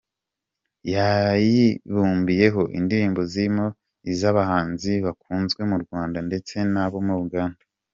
Yayibumbiyeho indirimbo zirimo iz’abahanzi bakunzwe mu Rwanda ndetse n’abo muri Uganda.